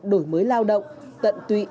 đổi mới lao động tận tụy